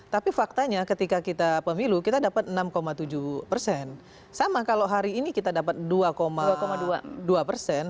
tapi faktanya ketika kita pemilu kita dapat enam tujuh persen sama kalau hari ini kita dapat dua dua persen